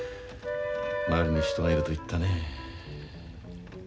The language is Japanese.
周りに人がいると言ったね。